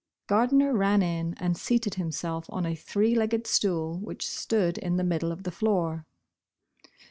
Gardner ran in, and seated himself on a three legged stool, which stood in the middle of the floor.